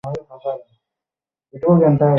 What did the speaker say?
ডাক্তারের সার্টিফিকেটের উপর ভিত্তি করে।